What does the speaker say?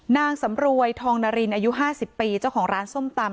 นางสำรวยทองนารินอายุ๕๐ปีเจ้าของร้านส้มตำ